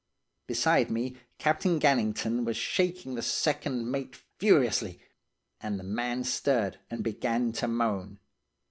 Beside me, Captain Gannington was shaking the second mate furiously, and the man stirred and began to moan.